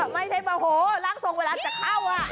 ไม่ใช่แบบโอ้โฮร่างทรงเวลาจะเข้าอ่ะ